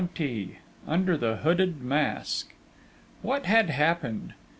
XX UNDER THE HOODED MASK What had happened?